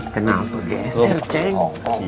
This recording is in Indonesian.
kenapa geser ceng